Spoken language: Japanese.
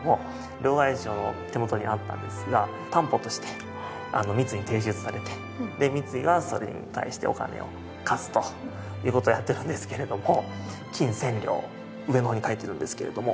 両替商の手元にあったんですが担保として三井に提出されて三井はそれに対してお金を貸すという事をやってるんですけれども「金千両」上の方に書いてるんですけれども。